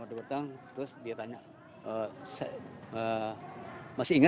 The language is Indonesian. oh masih masih ingat